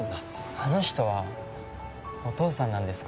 あの人はお父さんなんですか？